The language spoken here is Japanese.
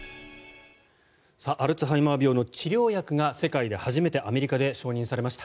アルツハイマー病の治療薬が世界で初めてアメリカで承認されました。